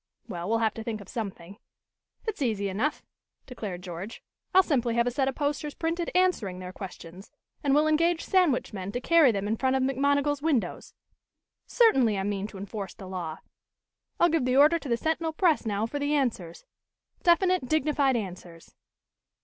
Well, we'll have to think of something " "It's easy enough," declared George. "I'll simply have a set of posters printed answering their questions. And we'll engage sandwich men to carry them in front of McMonigal's windows. Certainly I mean to enforce the law. I'll give the order to the Sentinel press now for the answers definite, dignified answers."